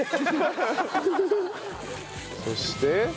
そして。